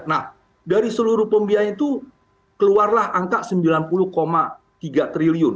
nah dari seluruh pembiayaan itu keluarlah angka sembilan puluh tiga triliun